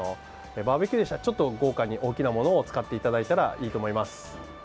バーベキューでしたらちょっと豪華に大きなものを使っていただいたらいいと思います。